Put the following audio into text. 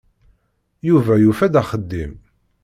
Yuba yufa-d axeddim.